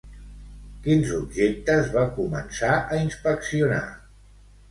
Quins objectes va començar a inspeccionar?